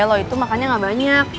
kalau itu makannya gak banyak